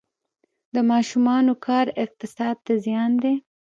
د ماشومانو کار اقتصاد ته زیان دی؟